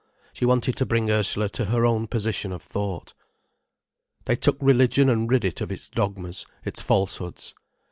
She wanted to bring Ursula to her own position of thought. They took religion and rid it of its dogmas, its falsehoods.